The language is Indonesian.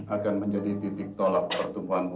akan menjadi titik tolak pertumbuhan